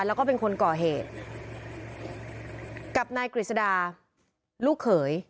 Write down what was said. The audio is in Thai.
แล้วก็เป็นคนก่อเหตุกับนายกฤษดาลูกเขย